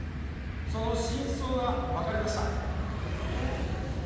その真相がわかりました。